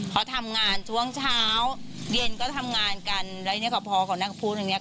เพราะทำงานช่วงเช้าเย็นก็ทำงานกันและนี่กับพ่อกับนักผู้นึงเนี่ย